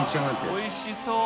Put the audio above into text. おいしそう。